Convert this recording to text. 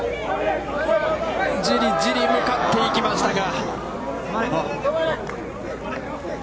じりじり向かっていきましたが。